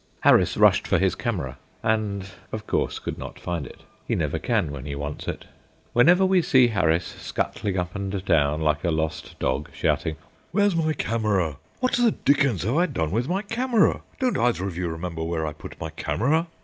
Harris rushed for his camera, and of course could not find it; he never can when he wants it. Whenever we see Harris scuttling up and down like a lost dog, shouting, "Where's my camera? What the dickens have I done with my camera? Don't either of you remember where I put my camera?"